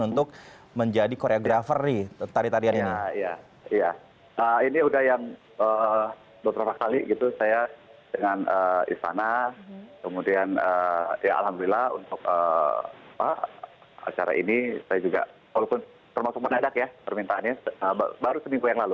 ini sudah yang dua tiga kali saya dengan istana kemudian alhamdulillah untuk acara ini saya juga walaupun termasuk menedak ya permintaannya baru seminggu yang lalu